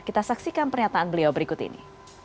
kita saksikan pernyataan beliau berikut ini